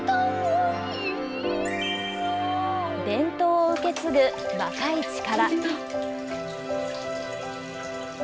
伝統を受け継ぐ若い力。